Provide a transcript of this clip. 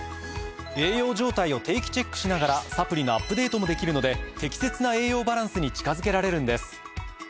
栄養状態を定期チェックしながらサプリのアップデートもできるので適切な栄養バランスに近づけられるんです。